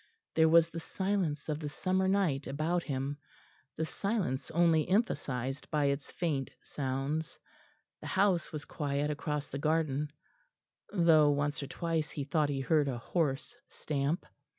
There was the silence of the summer night about him the silence only emphasised by its faint sounds. The house was quiet across the garden, though once or twice he thought he heard a horse stamp.